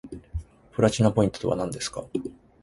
プラチナポイントとはなんですか